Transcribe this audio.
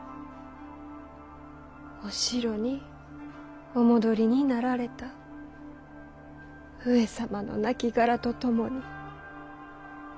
お城にお戻りになられた上様の亡骸と共にこれが。